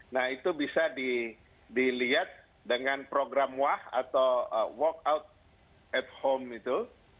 nah itu bisa dilihat dengan program wah atau walkout at home itu